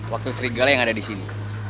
waktu serigala yang ada di sini